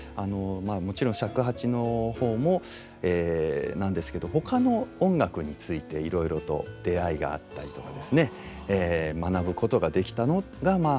もろちん尺八の方もなんですけどほかの音楽についていろいろと出会いがあったりとかですね学ぶことができたのがまあ本当に大きかったと思います。